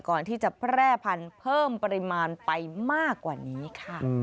ก่อนที่จะแพร่พันธุ์เพิ่มปริมาณไปมากกว่านี้ค่ะ